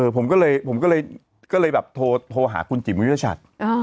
ผมก็เลยแบบโทรหาคุณจิ๋มวิทยาชัด